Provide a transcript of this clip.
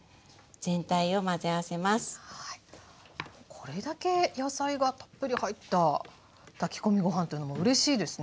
これだけ野菜がたっぷり入った炊き込みご飯っていうのもうれしいですね。